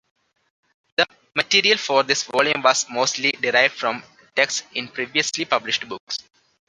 The material for this volume was mostly derived from texts in previously published books.